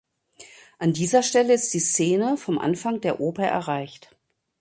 An dieser Stelle ist die Szene vom Anfang der Oper erreicht.